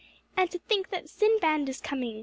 "And to think that Sinbad is coming!"